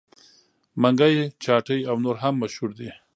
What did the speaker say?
منګي چاټۍ او نور هم مشهور دي.